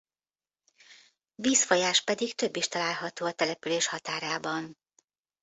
Vízfolyás pedig több is található a település határában.